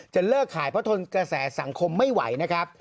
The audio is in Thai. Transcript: เลิกขายเพราะทนกระแสสังคมไม่ไหวนะครับ